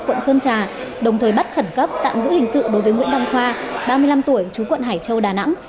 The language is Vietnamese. quận sơn trà đồng thời bắt khẩn cấp tạm giữ hình sự đối với nguyễn đăng khoa ba mươi năm tuổi chú quận hải châu đà nẵng